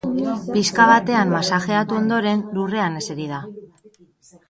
Pixka batean masajeatu ondoren, lurrean eseri da.